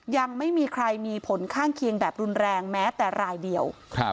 ยังไม่มีใครมีผลข้างเคียงแบบรุนแรงแม้แต่รายเดียว